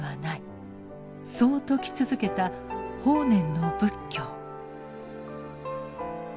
そう説き続けた法然の仏教。